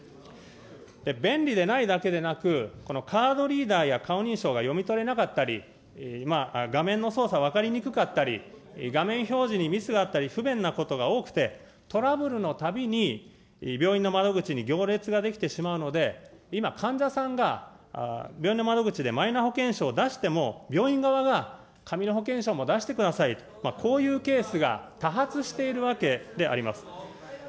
便利でないだけでなく、このカードリーダーや顔認証が読み取れなかったり、画面の操作が分かりにくかったり、画面表示にミスがあったり不便なことが多くて、トラブルのたびに、病院の窓口に行列ができてしまうので、今、患者さんが、病院の窓口でマイナ保険証を出しても、病院側が紙の保険証も出してくださいと、こういうケースが多発しているわけであります。